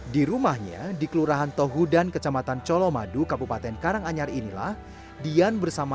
di rumahnya di kelurahan tohudan kecamatan colomadu kabupaten karanganyar inilah dian bersama